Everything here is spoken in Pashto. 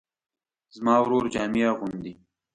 زما ورور جامې اغوندي